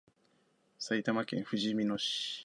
埼玉県ふじみ野市